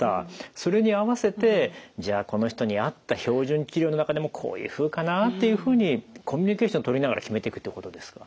それに合わせてじゃあこの人に合った標準治療の中でもこういうふうかなっていうふうにコミュニケーション取りながら決めていくっていうことですか？